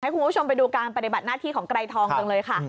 คุณผู้ชมไปดูการปฏิบัติหน้าที่ของไกรทองจังเลยค่ะ